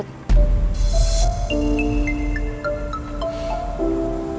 lo tau dari mana put